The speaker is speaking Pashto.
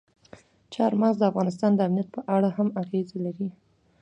چار مغز د افغانستان د امنیت په اړه هم اغېز لري.